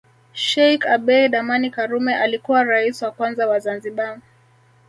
Sheikh Abeid Amani Karume alikuwa Rais wa kwanza wa Zanzibar